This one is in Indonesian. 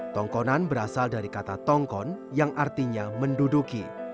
tongkonan berasal dari kata tongkon yang artinya menduduki